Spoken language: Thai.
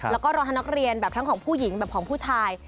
แล้วก็รอทั้งนักเรียนแบบทั้งของผู้หญิงแบบของผู้ชาย